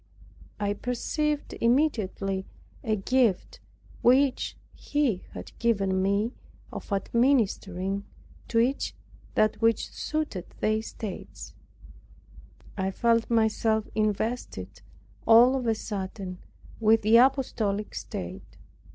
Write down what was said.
I perceived immediately a gift which He had given me, of administering to each that which suited their states. I felt myself invested, all of a sudden, with the apostolic state.